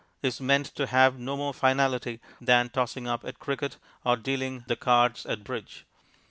is meant to have no more finality than tossing up at cricket or dealing the cards at bridge.